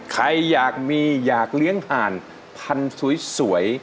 ใครอยากมีอยากเลี้ยงห่านพันธุ์สวย